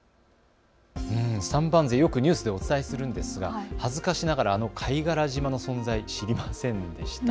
三番瀬、よくニュースでお伝えするんですが恥ずかしながら貝殻島の存在、知りませんでした。